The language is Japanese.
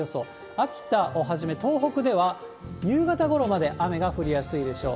秋田をはじめ、東北では夕方ごろまで雨が降りやすいでしょう。